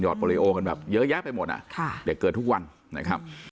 โปรลิโอกันแบบเยอะแยะไปหมดอ่ะค่ะเด็กเกิดทุกวันนะครับ